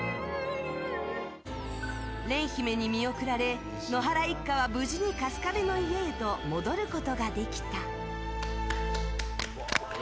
廉姫に見送られ野原一家は無事に春日部の家へと戻ることができた。